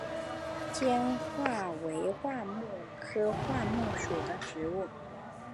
坚桦为桦木科桦木属的植物。